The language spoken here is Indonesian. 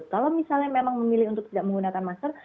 kalau misalnya memang memilih untuk tidak menggunakan masker